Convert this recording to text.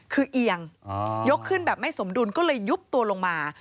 คือเอียงยกขึ้นแบบไม่สมดุลก็เลยยุบตัวลงมา